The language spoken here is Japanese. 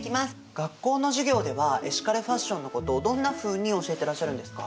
学校の授業ではエシカルファッションのことをどんなふうに教えてらっしゃるんですか？